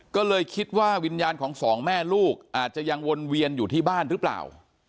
ก็เลยคิดว่าวิญญาณของสองแม่ลูกอาจจะยังวนเวียนอยู่ที่บ้านหรือเปล่า